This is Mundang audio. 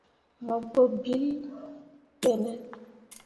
Mo gbǝ ɓilli ɓe ne ?